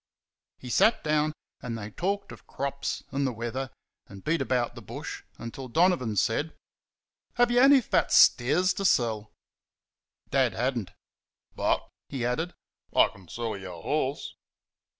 He sat down, and they talked of crops and the weather, and beat about the bush until Donovan said: "Have you any fat steers to sell?" Dad had n't. "But," he added, "I can sell you a horse."